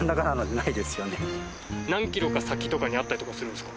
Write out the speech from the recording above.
何キロか先とかにあったりとかするんですか？